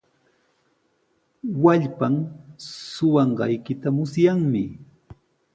Wallpan suqanqaykita musyanmi.